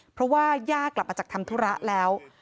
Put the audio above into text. เพราะว่าย่ากลับมาจากทำธุระแล้ว